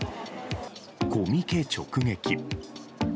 コミケ直撃。